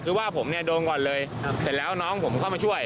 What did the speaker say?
คือว่าผมเนี่ยโดนก่อนเลยเสร็จแล้วน้องผมเข้ามาช่วย